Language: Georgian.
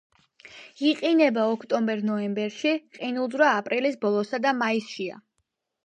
იყინება ოქტომბერ-ნოემბერში, ყინულძვრა აპრილის ბოლოსა და მაისშია.